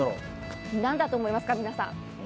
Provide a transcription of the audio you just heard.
何だと思いますか、皆さん？